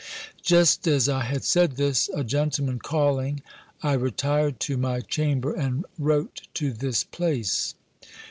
Just as I had said this, a gentleman calling, I retired to my chamber, and wrote to this place.